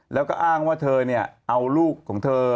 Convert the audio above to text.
แล้วก็อ้างว่าเธอเนี่ยเอาลูกของเธอ